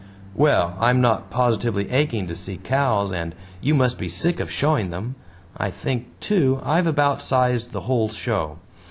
"Well! I'm not positively aching to see cows, and you must be sick of showing them. I think, too, I've about sized the whole show.